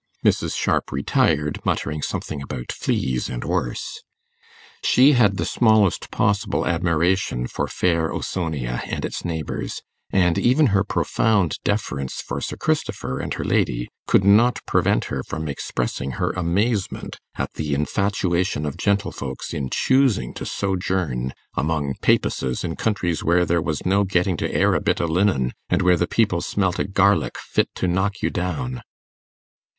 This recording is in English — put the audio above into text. Mrs. Sharp retired, muttering something about 'fleas and worse'. She had the smallest possible admiration for fair Ausonia and its natives, and even her profound deference for Sir Christopher and her lady could not prevent her from expressing her amazement at the infatuation of gentlefolks in choosing to sojourn among 'Papises, in countries where there was no getting to air a bit o' linen, and where the people smelt o' garlick fit to knock you down.